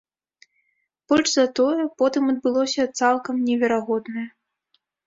Больш за тое, потым адбылося цалкам неверагоднае.